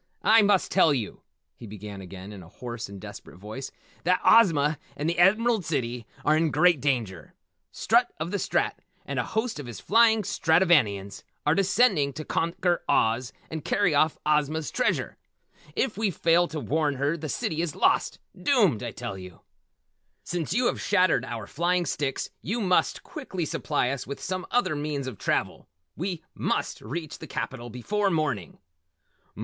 "I must tell you," he began again in a hoarse and desperate voice, "that Ozma and the Emerald City are in great danger. Strut of the Strat and a host of his flying Stratovanians are descending to conquer Oz and carry off Ozma's treasure. If we fail to warn her the city is lost doomed I tell you! Since you have shattered our flying sticks you must quickly supply us with some other means of travel. We must reach the capital before morning!"